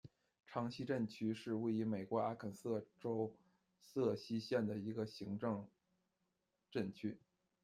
长溪镇区是位于美国阿肯色州瑟西县的一个行政镇区。